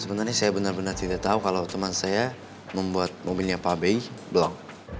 sebenarnya saya benar benar tidak tahu kalau teman saya membuat mobilnya pak bey blok